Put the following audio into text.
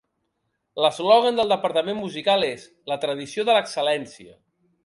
L'eslògan del departament musical és "La tradició de l'excel·lència".